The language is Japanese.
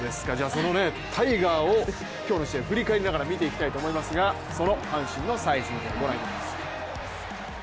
そのタイガーを今日の試合振り返りながら見ていきたいと思いますがその阪神の最新試合、ご覧いただきます。